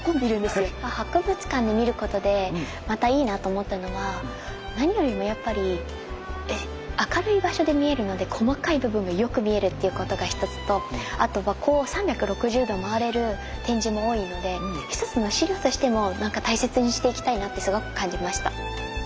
博物館で見ることでまたいいなと思ったのは何よりもやっぱり明るい場所で見えるので細かい部分がよく見えるっていうことが一つとあとはこう３６０度回れる展示も多いので１つの資料としても大切にしていきたいなってすごく感じました。